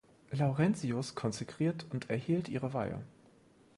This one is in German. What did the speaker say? Laurentius konsekriert und erhielt ihre Weihe.